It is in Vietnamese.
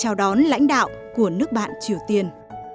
chào đón lãnh đạo của nước bạn triều tiên